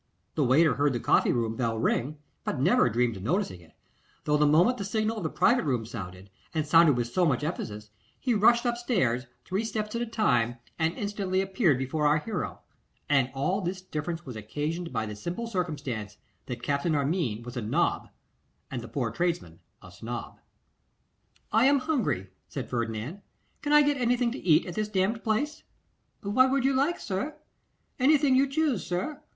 The waiter heard the coffee room bell ring, but never dreamed of noticing it, though the moment the signal of the private room sounded, and sounded with so much emphasis, he rushed upstairs, three steps at a time, and instantly appeared before our hero: and all this difference was occasioned by the simple circumstance, that Captain Armine was a NOB, and the poor tradesman a SNOB. 'I am hungry,' said Ferdinand. 'Can I get anything to eat at this damned place?' 'What would you like, sir? Anything you choose, sir.